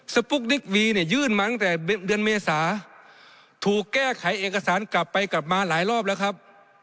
ปุ๊กนิกวีเนี่ยยื่นมาตั้งแต่เดือนเมษาถูกแก้ไขเอกสารกลับไปกลับมาหลายรอบแล้วครับ